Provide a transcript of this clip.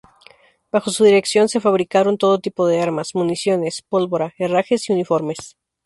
Bajo su dirección se fabricaron todo tipo de armas, municiones, pólvora, herrajes y uniformes.